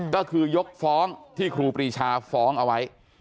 ก็คือยกฟ้องที่ครูปรีชาฟ้องเอาไว้